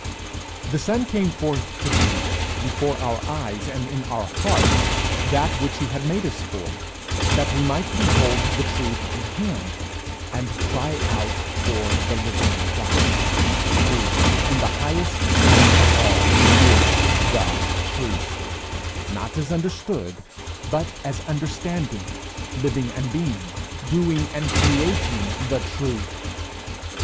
The Son came forth to be, before our eyes and in our hearts, that which he had made us for, that we might behold the truth in him, and cry out for the living God, who, in the highest sense of all is The Truth, not as understood, but as understanding, living, and being, doing and creating the truth.